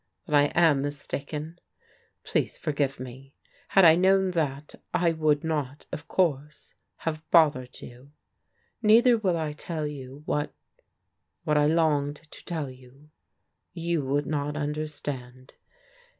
" Then I am mistaken. Please forgive me. Had I known that, I would not, of course, have bothered you. Neither will I tell you, what — what I longed to tell you. You would not understand.